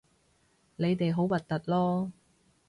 你哋好核突囉